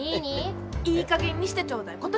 いいかげんにしてちょうだい。